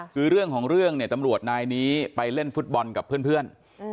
คือเรื่องของเรื่องเนี่ยตำรวจนายนี้ไปเล่นฟุตบอลกับเพื่อน